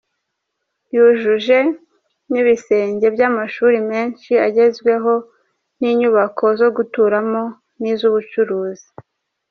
Yujuje n’ibisenge by’amashuri menshi agezweho n’inyubako zo guturamo n’iz’ubucuruzi.